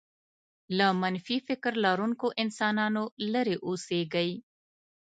له منفي فکر لرونکو انسانانو لرې اوسېږئ.